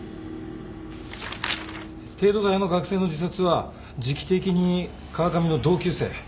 帝都大の学生の自殺は時期的に川上の同級生。